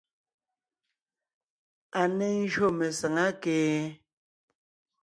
A ne ńjÿô mesàŋá kee?